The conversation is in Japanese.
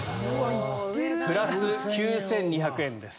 プラス９２００円です。